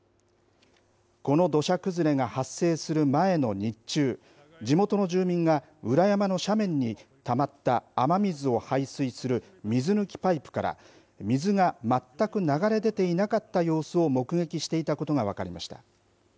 この土砂崩れが発生する前の日中地元の住民が裏山の斜面にたまった雨水を排水する水抜きパイプから水が全く流れ出ていなかった様子を目撃していたことが分かりました。